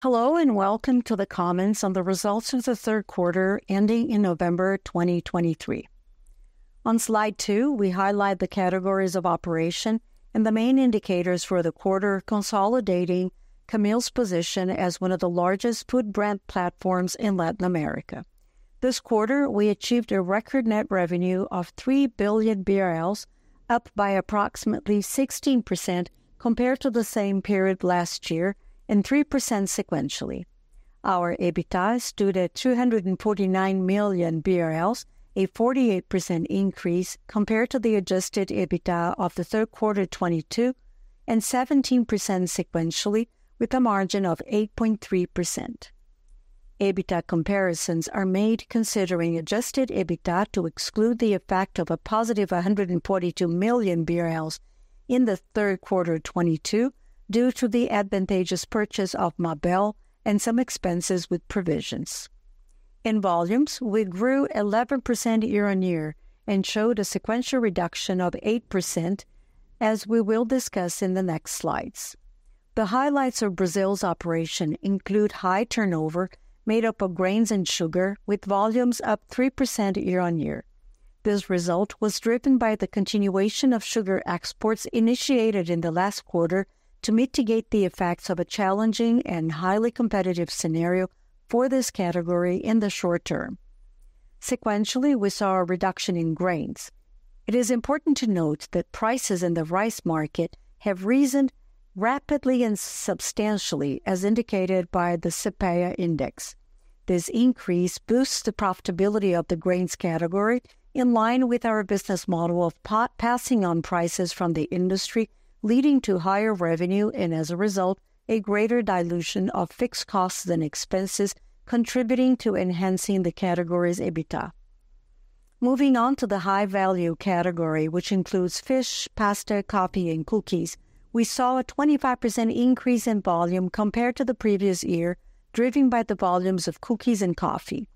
Hello, and welcome to the comments on the results of the third quarter, ending in November 2023. On slide 2, we highlight the categories of operation and the main indicators for the quarter, consolidating Camil's position as one of the largest food brand platforms in Latin America. This quarter, we achieved a record net revenue of 3 billion BRL, up by approximately 16% compared to the same period last year, and 3% sequentially. Our EBITDA stood at 249 million BRL, a 48% increase compared to the adjusted EBITDA of the third quarter 2022, and 17% sequentially, with a margin of 8.3%. EBITDA comparisons are made considering adjusted EBITDA to exclude the effect of a positive 142 million BRL in the third quarter of 2022, due to the advantageous purchase of Mabel and some expenses with provisions. In volumes, we grew 11% year-on-year and showed a sequential reduction of 8%, as we will discuss in the next slides. The highlights of Brazil's operation include high turnover, made up of grains and sugar, with volumes up 3% year-on-year. This result was driven by the continuation of sugar exports initiated in the last quarter to mitigate the effects of a challenging and highly competitive scenario for this category in the short term. Sequentially, we saw a reduction in grains. It is important to note that prices in the rice market have risen rapidly and substantially, as indicated by the CEPEA index. This increase boosts the profitability of the grains category in line with our business model of passing on prices from the industry, leading to higher revenue, and as a result, a greater dilution of fixed costs and expenses, contributing to enhancing the category's EBITDA. Moving on to the high-value category, which includes fish, pasta, coffee, and cookies, we saw a 25% increase in volume compared to the previous year, driven by the volumes of cookies and coffee.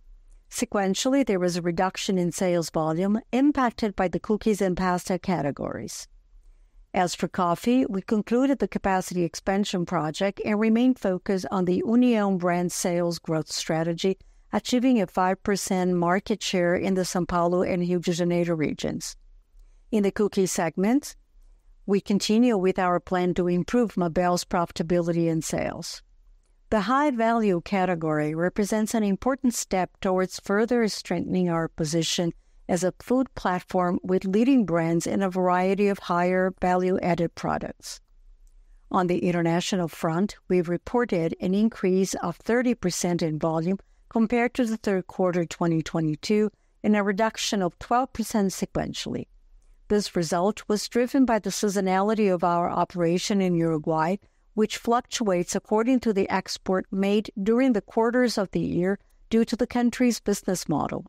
Sequentially, there was a reduction in sales volume, impacted by the cookies and pasta categories. As for coffee, we concluded the capacity expansion project and remain focused on the União brand sales growth strategy, achieving a 5% market share in the São Paulo and Rio de Janeiro regions. In the cookie segment, we continue with our plan to improve Mabel's profitability and sales. The high-value category represents an important step towards further strengthening our position as a food platform with leading brands in a variety of higher value-added products. On the international front, we've reported an increase of 30% in volume compared to the third quarter 2022, and a reduction of 12% sequentially. This result was driven by the seasonality of our operation in Uruguay, which fluctuates according to the export made during the quarters of the year, due to the country's business model.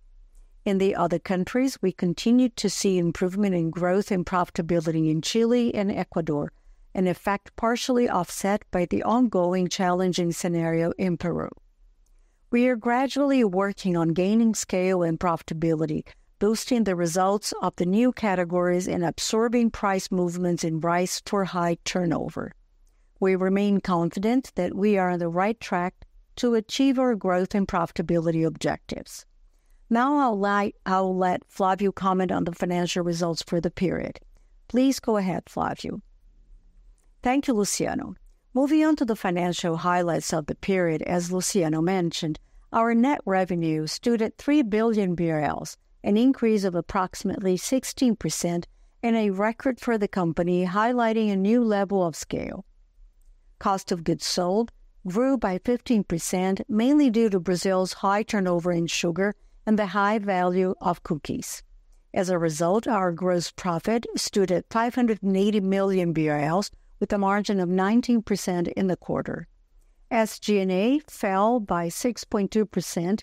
In the other countries, we continued to see improvement in growth and profitability in Chile and Ecuador, an effect partially offset by the ongoing challenging scenario in Peru. We are gradually working on gaining scale and profitability, boosting the results of the new categories and absorbing price movements in rice for high turnover. We remain confident that we are on the right track to achieve our growth and profitability objectives. Now, I'll let Flavio comment on the financial results for the period. Please go ahead, Flavio. Thank you, Luciano. Moving on to the financial highlights of the period, as Luciano mentioned, our net revenue stood at 3 billion BRL, an increase of approximately 16% and a record for the company, highlighting a new level of scale. Cost of goods sold grew by 15%, mainly due to Brazil's high turnover in sugar and the high value of cookies. As a result, our gross profit stood at 580 million BRL, with a margin of 19% in the quarter. SG&A fell by 6.2%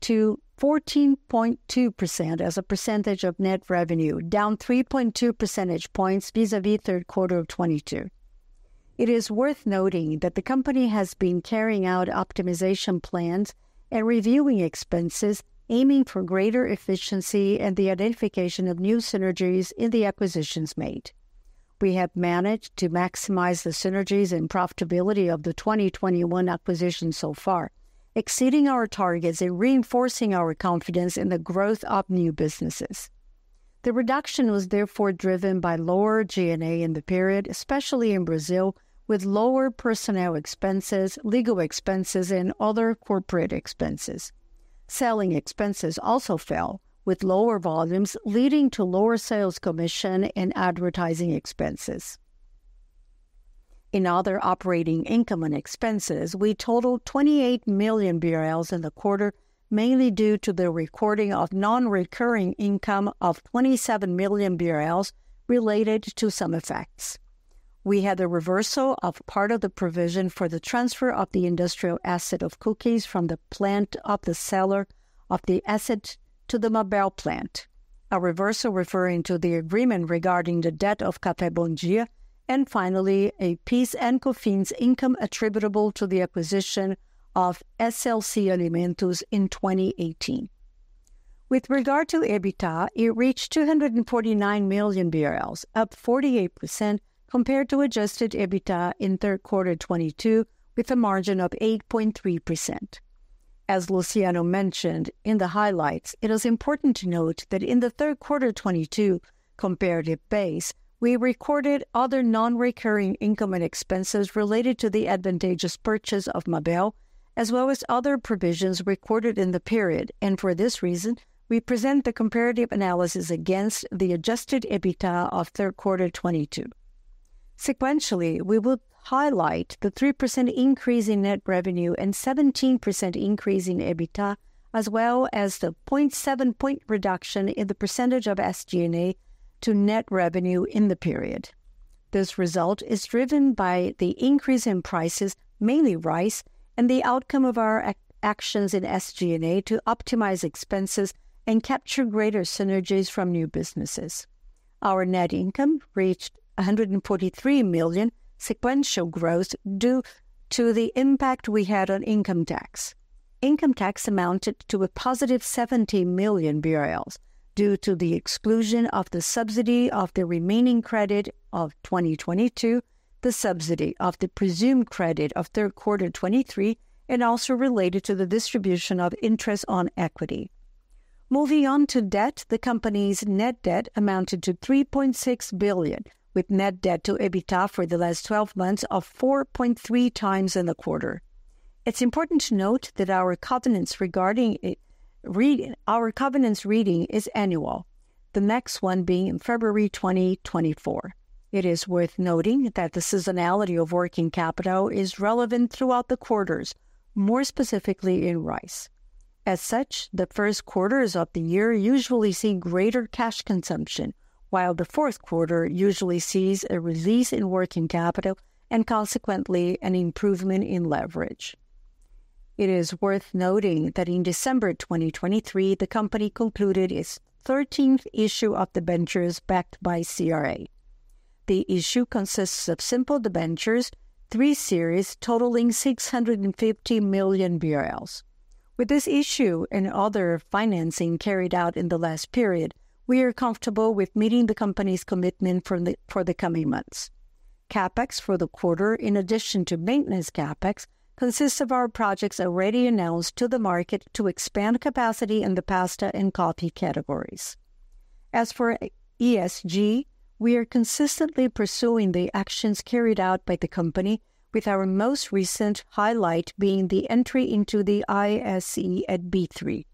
to 14.2% as a percentage of net revenue, down 3.2 percentage points vis-a-vis third quarter of 2022. It is worth noting that the company has been carrying out optimization plans and reviewing expenses, aiming for greater efficiency and the identification of new synergies in the acquisitions made. We have managed to maximize the synergies and profitability of the 2021 acquisition so far, exceeding our targets and reinforcing our confidence in the growth of new businesses. The reduction was therefore driven by lower G&A in the period, especially in Brazil, with lower personnel expenses, legal expenses, and other corporate expenses. Selling expenses also fell, with lower volumes leading to lower sales commission and advertising expenses. In other operating income and expenses, we totaled 28 million BRL in the quarter, mainly due to the recording of non-recurring income of 27 million BRL related to some effects. We had the reversal of part of the provision for the transfer of the industrial asset of cookies from the plant of the seller of the asset to the Mabel plant, a reversal referring to the agreement regarding the debt of Café Bom Dia, and finally, a PIS and COFINS income attributable to the acquisition of SLC Alimentos in 2018. With regard to EBITDA, it reached 249 million BRL, up 48% compared to adjusted EBITDA in third quarter 2022, with a margin of 8.3%. As Luciano mentioned in the highlights, it is important to note that in the third quarter 2022 comparative base, we recorded other non-recurring income and expenses related to the advantageous purchase of Mabel, as well as other provisions recorded in the period. And for this reason, we present the comparative analysis against the adjusted EBITDA of third quarter 2022. Sequentially, we will highlight the 3% increase in net revenue and 17% increase in EBITDA, as well as the 0.7-point reduction in the percentage of SG&A to net revenue in the period. This result is driven by the increase in prices, mainly rice, and the outcome of our actions in SG&A to optimize expenses and capture greater synergies from new businesses. Our net income reached 143 million sequential growth due to the impact we had on income tax. Income tax amounted to a positive 70 million BRL due to the exclusion of the subsidy of the remaining credit of 2022, the subsidy of the presumed credit of third quarter 2023, and also related to the distribution of interest on equity. Moving on to debt, the company's net debt amounted to 3.6 billion, with net debt to EBITDA for the last 12 months of 4.3x in the quarter. It's important to note that our covenants regarding. Our covenants reading is annual, the next one being in February 2024. It is worth noting that the seasonality of working capital is relevant throughout the quarters, more specifically in rice. As such, the first quarters of the year usually see greater cash consumption, while the fourth quarter usually sees a release in working capital and consequently, an improvement in leverage. It is worth noting that in December 2023, the company concluded its 13th issue of debentures backed by CRA. The issue consists of simple debentures, three series totaling 650 million BRL. With this issue and other financing carried out in the last period, we are comfortable with meeting the company's commitment for the coming months. CapEx for the quarter, in addition to maintenance CapEx, consists of our projects already announced to the market to expand capacity in the pasta and coffee categories. As for ESG, we are consistently pursuing the actions carried out by the company, with our most recent highlight being the entry into the ISE at B3.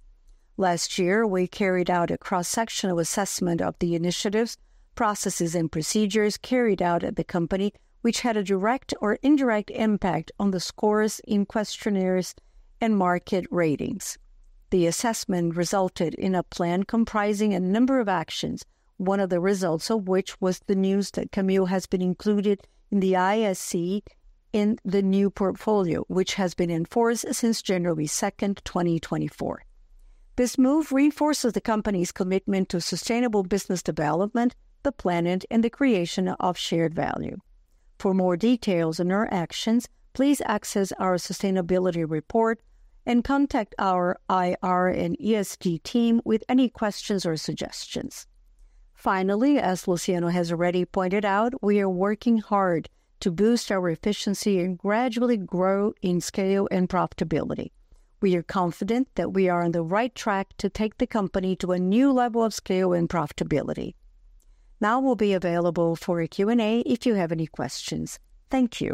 Last year, we carried out a cross-sectional assessment of the initiatives, processes, and procedures carried out at the company, which had a direct or indirect impact on the scores in questionnaires and market ratings. The assessment resulted in a plan comprising a number of actions, one of the results of which was the news that Camil has been included in the ISE in the new portfolio, which has been in force since January 2nd, 2024. This move reinforces the company's commitment to sustainable business development, the planet, and the creation of shared value. For more details on our actions, please access our sustainability report and contact our IR and ESG team with any questions or suggestions. Finally, as Luciano has already pointed out, we are working hard to boost our efficiency and gradually grow in scale and profitability. We are confident that we are on the right track to take the company to a new level of scale and profitability. Now we'll be available for a Q&A if you have any questions. Thank you.